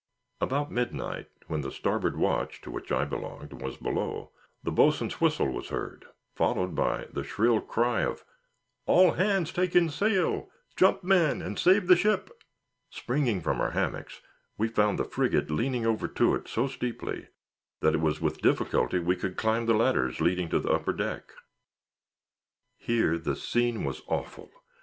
About midnight, when the starboard watch, to which I belonged, was below, the boatswain's whistle was heard, followed by the shrill cry of "All hands take in sail! jump, men, and save the ship!" Springing from our hammocks, we found the frigate leaning over to it so steeply, that it was with difficulty we could climb the ladders leading to the upper deck. Here the scene was awful.